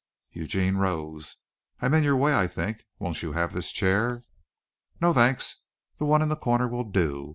Eugene rose. "I'm in your way, I think. Won't you have this chair?" "No, thanks. The one in the corner will do.